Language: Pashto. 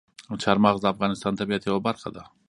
چار مغز د افغانستان د طبیعت یوه برخه ده.